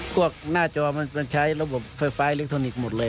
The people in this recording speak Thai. หน้าจอมันใช้ระบบไฟฟ้าอิเล็กทรอนิกส์หมดเลย